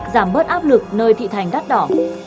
giảm bớt áp lực nơi thị thành đắt đỏ